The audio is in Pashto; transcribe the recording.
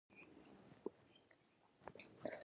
خلیفه د شریعت په پلي کولو مکلف دی.